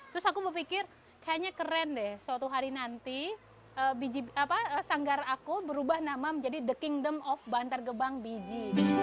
terus aku berpikir kayaknya keren deh suatu hari nanti sanggar aku berubah nama menjadi the kingdom of bantar gebang biji